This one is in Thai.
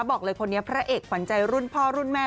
บอกเลยคนนี้พระเอกขวัญใจรุ่นพ่อรุ่นแม่